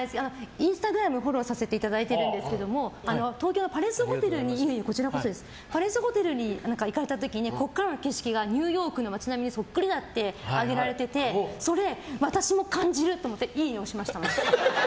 インスタグラムフォローさせていただいてるんですけど東京のパレスホテルに行かれた時にここからの景色がニューヨークの街並みにそっくりだと上げられててそれ、私も感じる！って思っていいね押しました。